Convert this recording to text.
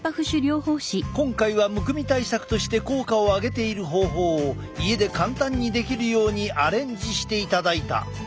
今回はむくみ対策として効果をあげている方法を家で簡単にできるようにアレンジしていただいた。